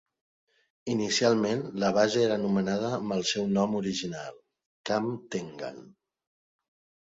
Inicialment la base era anomenada amb el seu nom original, Camp Tengan.